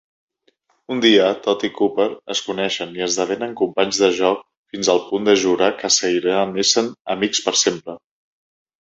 Un dia, Tod i Copper es coneixen i esdevenen companys de jocs fins al punt de jurar que seguiran essent "amics per sempre".